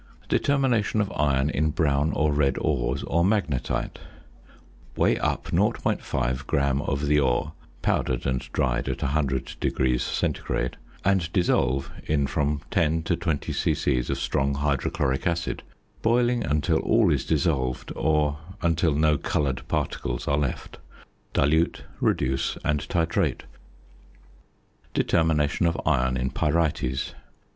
~Determination of Iron in Brown or Red Ores or Magnetite.~ Weigh up 0.5 gram of the ore (powdered and dried at 100° C.), and dissolve in from 10 to 20 c.c. of strong hydrochloric acid, boiling until all is dissolved, or until no coloured particles are left. Dilute, reduce, and titrate. ~Determination of Iron in Pyrites.